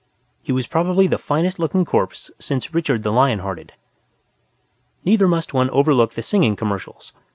He was probably the finest looking corpse since Richard the Lion Hearted. Neither must one overlook the singing commercials.